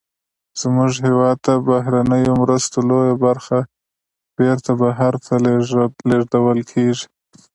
زمونږ هېواد ته د بهرنیو مرستو لویه برخه بیرته بهر ته لیږدول کیږي.